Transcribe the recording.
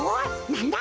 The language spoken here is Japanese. なんだ？